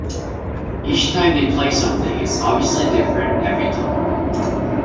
Each time they play something it's obviously different, every time.